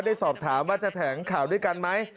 ได้สอบถามว่าจะแถลงข่าวด้วยกันไหม